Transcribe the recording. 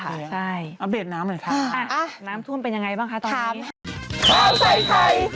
เอายอดค่ะใช่อัพเดทน้ำหน่อยครับค่ะน้ำทุ่มเป็นอย่างไรบ้างคะตอนนี้